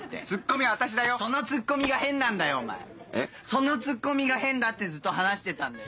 そのツッコミが変だってずっと話してたんだよ！